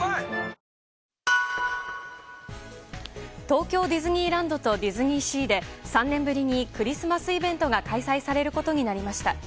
東京ディズニーランドとディズニーシーで３年ぶりにクリスマスイベントが開催されることになりました。